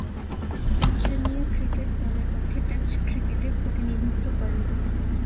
Australia cricket দলের পক্ষে test ক্রিকেটে প্রতিনিধিত্ব করেন।